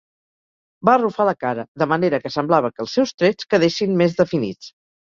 Va arrufar la cara, de manera que semblava que els seus trets quedessin més definits.